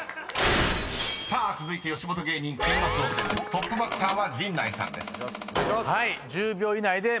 トップバッターは陣内さんです］と思います。